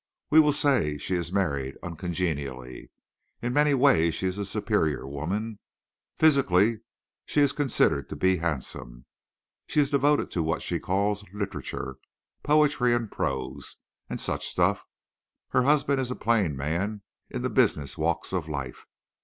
We will say she is married uncongenially. In many ways she is a superior woman. Physically she is considered to be handsome. She is devoted to what she calls literature—poetry and prose, and such stuff. Her husband is a plain man in the business walks of life.